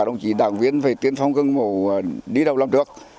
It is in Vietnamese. các đồng chí đảng viên phải tiến phong gương mẫu đi đầu làm được